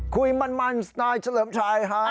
คุยมันสนายเฉลิมชัยฮะ